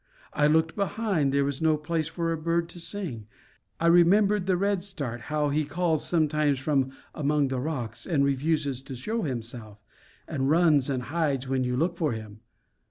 I looked behind; there was no place for a bird to sing. I remembered the redstart, how he calls sometimes from among the rocks, and refuses to show himself, and runs and hides when you look for him.